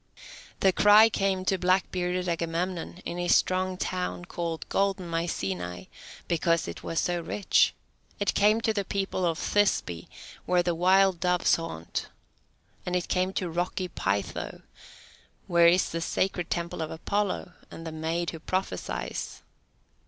The cry came to black bearded Agamemnon, in his strong town called "golden Mycenae," because it was so rich; it came to the people in Thisbe, where the wild doves haunt; and it came to rocky Pytho, where is the sacred temple of Apollo and the maid who prophesies.